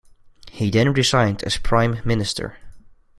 He then resigned as Prime Minister.